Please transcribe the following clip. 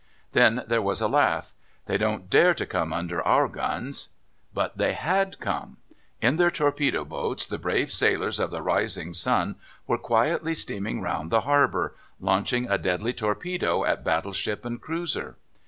Then there was a laugh: "They won't dare to come under our guns!" But they had come! In their torpedo boats the brave sailors of the "Rising Sun" were quietly steaming round the harbour, launching a deadly torpedo at battleship and cruiser.